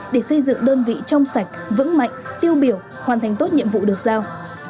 để xây dựng đơn vị trong sạch vững mạnh tiêu biểu hoàn thành tốt nhiệm vụ được giao